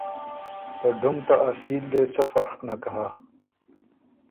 ته ډُم ته اصیل دې څه فرق نک هۀ“